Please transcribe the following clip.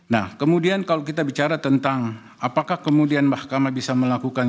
nah kemudian kalau kita bicara tentang apakah kemudian mahkamah bisa melakukan